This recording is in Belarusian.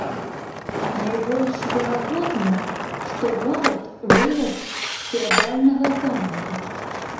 Найбольш верагодна, што горад вырас з феадальнага замка.